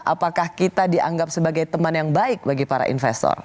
apakah kita dianggap sebagai teman yang baik bagi para investor